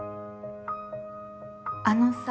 あのさ。